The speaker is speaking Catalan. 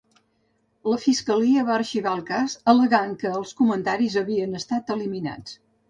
La Fiscalia va arxivar el cas al·legant que els comentaris havien estat eliminats.